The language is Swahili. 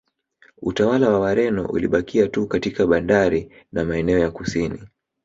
Utawala wa Wareno ulibakia tu katika bandari na maeneo ya kusini